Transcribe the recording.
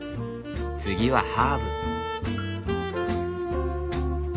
次はハーブ。